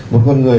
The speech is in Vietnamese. một con người